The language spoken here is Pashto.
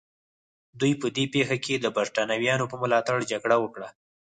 دوی په دې پېښه کې د برېټانویانو په ملاتړ جګړه وکړه.